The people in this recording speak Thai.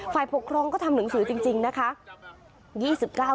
ฝ่ายปกครองก็ทำหนังสือจริงนะคะ